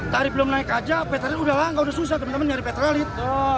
tarif belum naik aja petrolit udah langka udah susah teman teman nyari petrolit